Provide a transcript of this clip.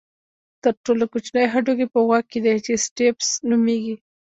تر ټولو کوچنی هډوکی په غوږ کې دی چې سټیپس نومېږي.